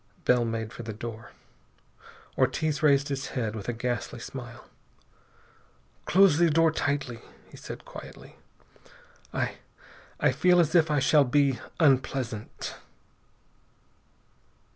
Bell made for the door. Ortiz raised his head with a ghastly smile. "Close the door tightly," he said quietly. "I I feel as if I shall be unpleasant."